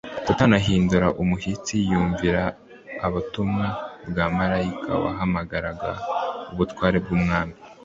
Satani ahinda umushyitsi yumvise ubutumwa bwa malayika wahamyaga ubutware bw'Umwami